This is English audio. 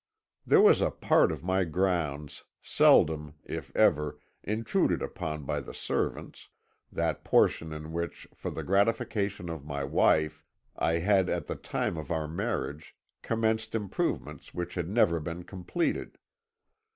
"There was a part of my grounds seldom, if ever, intruded upon by the servants that portion in which, for the gratification of my wife, I had at the time of our marriage commenced improvements which had never been completed.